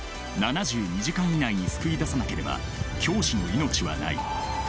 「７２時間以内に救い出さなければ教師の命はない」。